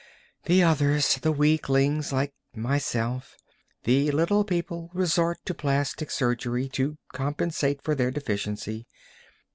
The others, the weaklings like myself, the little people, resort to plastic surgery to compensate for their deficiency.